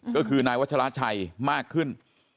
ก็คือนายวัชราชัยมากขึ้น